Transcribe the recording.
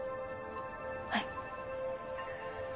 はい。